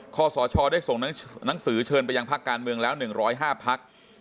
ข้อสชได้ส่งหนังสือเชิญไปยังพักการเมืองแล้ว๑๐๕พัก